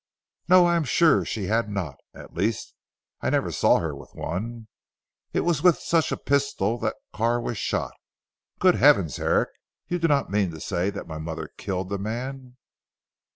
"No, I am sure she had not. At least, I never saw her with one. It was with such a pistol that Carr was shot. Good heavens Herrick, you do not mean to say that my mother killed the man."